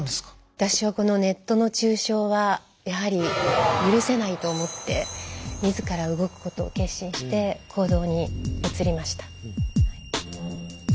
私はこのネットの中傷はやはり許せないと思って自ら動くことを決心して行動に移りました。